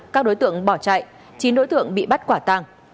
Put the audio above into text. các đối tượng bỏ chạy chín đối tượng bị bắt quả tàng